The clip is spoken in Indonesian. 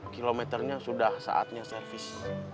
kilometernya sudah saatnya servis